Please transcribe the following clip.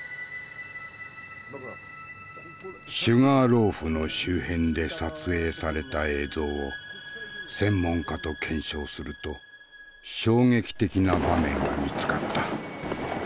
シュガーローフの周辺で撮影された映像を専門家と検証すると衝撃的な場面が見つかった。